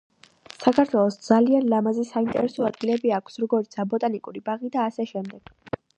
საქართველოს დზალიან ლამაზი და საინტერესო ადგილები აქვს როგორიცაა ბოტანიკური ბაღი და ასე შემდეგ